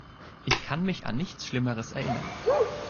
Ich kann mich an nichts Schlimmeres erinnern.